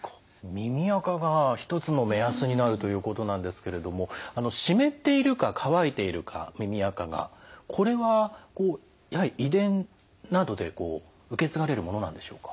耳あかが一つの目安になるということなんですけれども湿っているか乾いているか耳あかがこれはやはり遺伝などで受け継がれるものなんでしょうか？